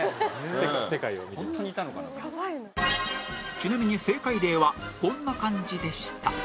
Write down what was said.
ちなみに正解例はこんな感じでした